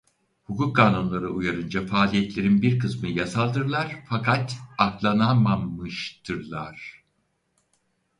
Hukuk kanunları uyarınca faaliyetlerin bir kısmı yasaldırlar fakat aklanamamıştırlar.